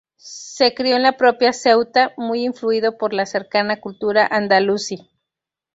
Se crio en la propia Ceuta, muy influido por la cercana cultura andalusí.